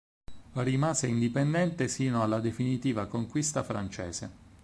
Rimase indipendente sino alla definitiva conquista francese.